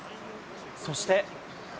そして。